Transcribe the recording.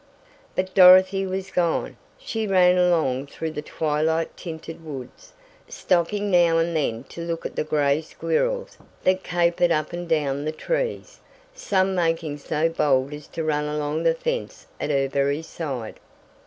But Dorothy was gone. She ran along through the twilight tinted woods, stopping now and then to look at the gray squirrels that capered up and down the trees, some making so bold as to run along the fence at her very side.